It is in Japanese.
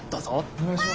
おねがいします。